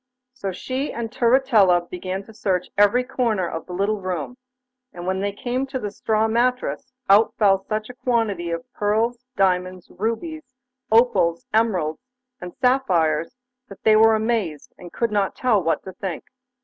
So she and Turritella began to search every corner of the little room, and when they came to the straw mattress out fell such a quantity of pearls, diamonds, rubies, opals, emeralds, and sapphires, that they were amazed, and could not tell what to think.